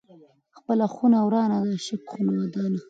ـ خپله خونه ورانه، د عاشق خونه ودانه.